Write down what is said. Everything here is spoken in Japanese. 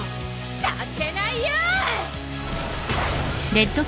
させないよ！